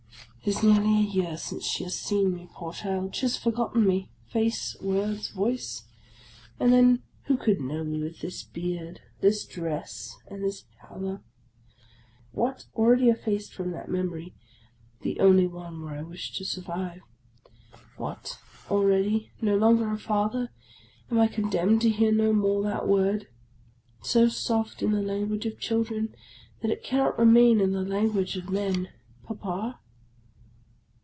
" It is nearly a year since she has seen me, poor child! She has forgotten me, face, words, voice; and then OF A CONDEMNED 91 who could know me with this beard, this dress, and this pallor? What! already effaced from that memory, — the only one where I wished to survive! What! already, no longer a Father, am I condemned to hear no more that word, so soft in the language of children that it cannot remain in the lan guage of men, " Papa